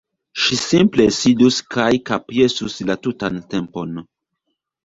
Ŝi simple sidus kaj kapjesus la tutan tempon.